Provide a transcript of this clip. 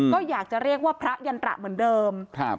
ก็อยากจะเรียกว่าพระยันตระเหมือนเดิม